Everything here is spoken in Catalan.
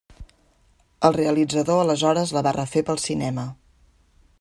El realitzador aleshores la va refer pel cinema.